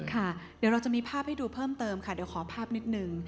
ค่ะเดี๋ยวเราจะมีภาพให้ดูเพิ่มเติมค่ะเดี๋ยวขอภาพนิดนึง